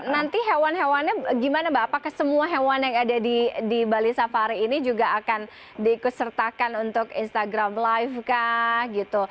nanti hewan hewannya gimana mbak apakah semua hewan yang ada di bali safari ini juga akan diikutsertakan untuk instagram live kah gitu